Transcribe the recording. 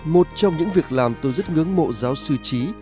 một trong những việc làm tôi rất ngưỡng mộ giáo sư trí